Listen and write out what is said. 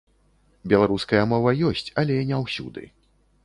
Беларуская мова ёсць, але не ўсюды.